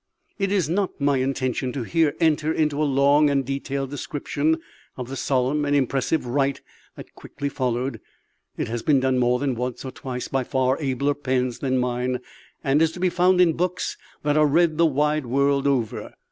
It is not my intention to here enter into a long and detailed description of the solemn and impressive rite that quickly followed; it has been done more than once or twice by far abler pens than mine, and is to be found in books that are read the wide world over.